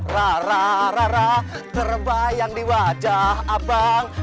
ra ra ra ra terbayang di wajah abang